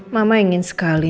mama ingin sekali